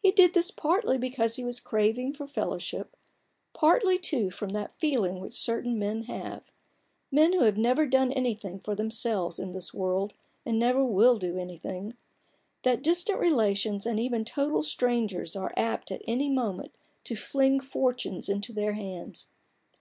He did this partly because he was craving for fellowship; partly, too, from that feeling which certain men have — men who have never done anything for themselves in this world, and never will do anything— that distant relations, and even total strangers, are apt at any moment to fling fortunes into their hands.